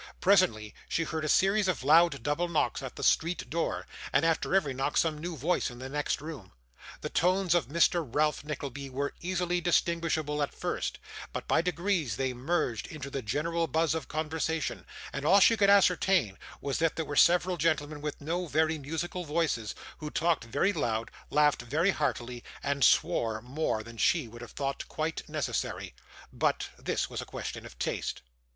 Presently, she heard a series of loud double knocks at the street door, and after every knock some new voice in the next room; the tones of Mr Ralph Nickleby were easily distinguishable at first, but by degrees they merged into the general buzz of conversation, and all she could ascertain was, that there were several gentlemen with no very musical voices, who talked very loud, laughed very heartily, and swore more than she would have thought quite necessary. But this was a question of taste.